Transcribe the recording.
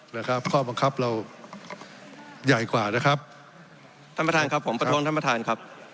นะครับข้อบังคับเราใหญ่กว่านะครับท่านประธานครับผมประท้วงท่านประธานครับ